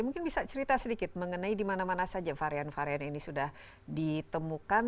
mungkin bisa cerita sedikit mengenai di mana mana saja varian varian ini sudah ditemukan